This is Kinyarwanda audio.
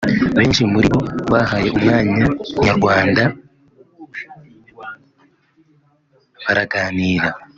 Benshi muri bo bahaye umwanya Inyarwanda baraganira